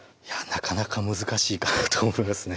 なかなか難しいかなと思いますね